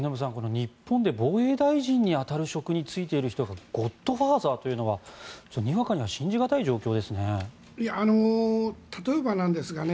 日本で防衛大臣に当たる職に就いている人がゴッドファーザーというのはにわかには信じ難い状況ですね。